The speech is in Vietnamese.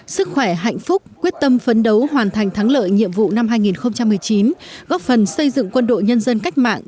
sức khỏe hạnh phúc quyết tâm phấn đấu hoàn thành thắng lợi nhiệm vụ năm hai nghìn một mươi chín góp phần xây dựng quân đội nhân dân cách mạng